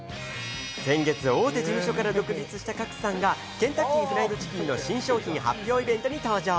先月、大手事務所から独立した賀来さんが、ケンタッキー・フライド・チキンの新商品発表イベントに登場。